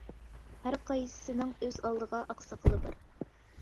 ھەر قايسىسىنىڭ ئۆز ئالدىغا ئاقساقىلى بار.